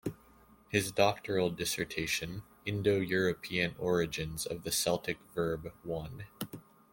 His doctoral dissertation, "Indo-European Origins of the Celtic Verb I".